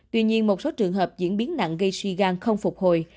tuy nhiên một số trường hợp diễn biến nặng gây suy gan không phục hồi